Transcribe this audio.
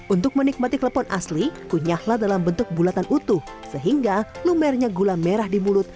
untuk menikmati klepon asli kunyahla dalam bentuk bulatan utuh sehingga lumernya gula merah di mulut